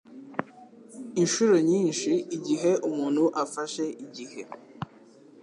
Inshuro nyinshi igihe umuntu afashe igihe